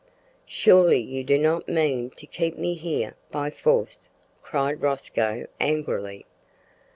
"Surely you do not mean to keep me here by force!" cried Rosco angrily.